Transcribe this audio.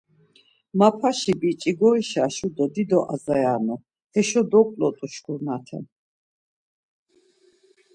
Mapaşi biç̌i goişaşu do dido azayanu, heşo doǩlotu şkurnate.